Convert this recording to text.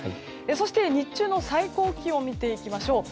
そして、日中の最高気温を見ていきましょう。